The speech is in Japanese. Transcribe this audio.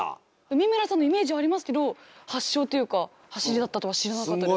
三村さんのイメージありますけど発祥というかはしりだったとは知らなかったです。